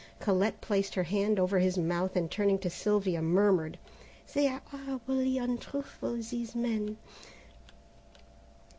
Colette placed her hand over his mouth and turning to Sylvia, murmured, "They are horridly untruthful, these men."